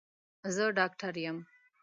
زه ډاکټر يم.